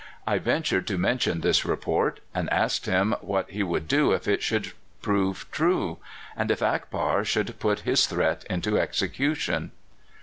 I ventured to mention this report, and asked him what he would do if it should prove true, and if Akbar should put his threat into execution.